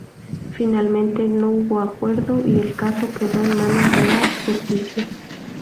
Finalmente, no hubo acuerdo, y el caso quedó en manos de la justicia.